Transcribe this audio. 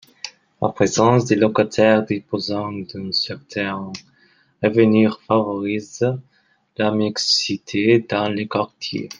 La présence de locataires disposant d’un certain revenu favorise la mixité dans les quartiers.